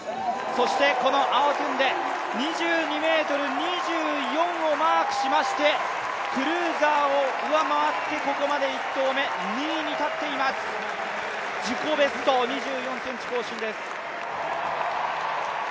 そしてアウォトゥンデ、２２ｍ２４をマークしましてクルーザーを上回ってここまで１投目、２位に立っています自己ベストを２４ｃｍ更新です。